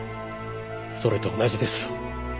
それと同じですよ。